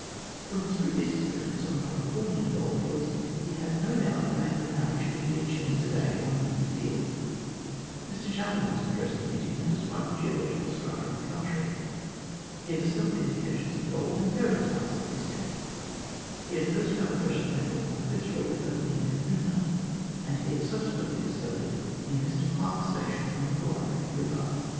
From his previous experience on the Californian goldfields, he had no doubt that a man could average fifteen shillings a day on the new field. Mr Chapel next addressed the meeting, and described the geological strata of the country. He had discovered indica tions of gold in various parts of the district. He had first found the precious metal on the Fitzroy Eiver near Canoona, and he had subsequently discovered it near Mr Clarke's station on the Calliope Eiver.